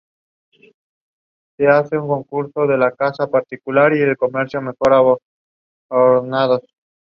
Esta actitud fue más corriente durante la administración de Iósif Stalin.